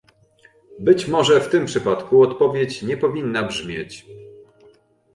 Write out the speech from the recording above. Być może w tym przypadku odpowiedź nie powinna brzmieć